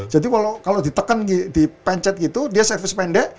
jadi kalau ditekan dipencet gitu dia service pendek